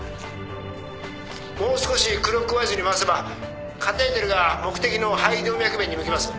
もう少しクロックワイズに回せばカテーテルが目的の肺動脈弁に向きます。